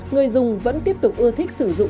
người dùng vẫn tiếp tục ưa thích sử dụng